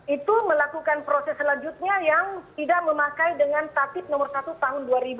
itu melakukan proses selanjutnya yang tidak memakai dengan tatib nomor satu tahun dua ribu dua